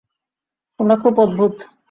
তোমরা খুব অদ্ভূত।